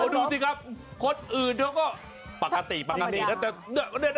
ดูสิครับคนอื่นเขาก็ปกติปกตินะแต่